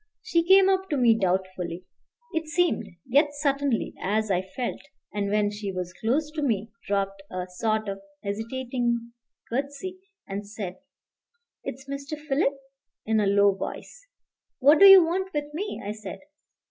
She came up to me doubtfully, it seemed, yet certainly, as I felt, and when she was close to me, dropped a sort of hesitating curtsey, and said, "It's Mr. Philip?" in a low voice. "What do you want with me?" I said.